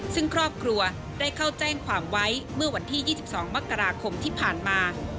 ซึ่งครอบครัวได้เข้าแจ้งความไว้เมื่อวันที่๒๒มกราคมที่ผ่านมา